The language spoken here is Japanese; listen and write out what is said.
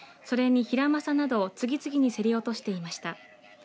それにヒラマサなどを次々に競り落としていました。